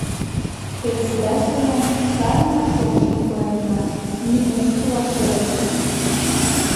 Председательлан сайынак шокшым пуэнна, нигуш пураш ӧрын.